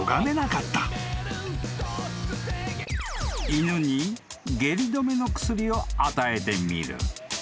［犬にげり止めの薬を与えてみる］